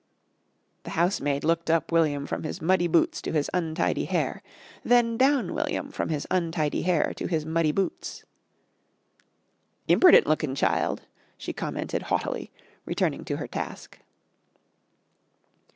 The housemaid looked up William from his muddy boots to his untidy hair, then down William from his untidy hair to his muddy boots. "Imperdent lookin' child," she commented haughtily, returning to her task.